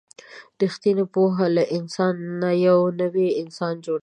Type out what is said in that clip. رښتینې پوهه له سړي نه یو نوی انسان جوړوي.